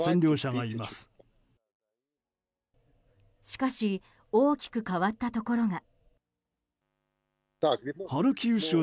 しかし大きく変わったところが。